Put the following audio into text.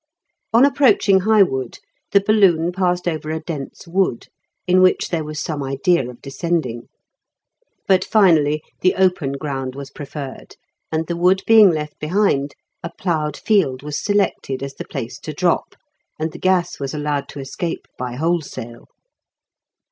On approaching Highwood the balloon passed over a dense wood, in which there was some idea of descending. But finally the open ground was preferred, and, the wood being left behind, a ploughed field was selected as the place to drop, and the gas was allowed to escape by wholesale.